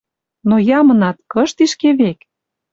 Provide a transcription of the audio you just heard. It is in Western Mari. Но ямынат кыш тишкевек?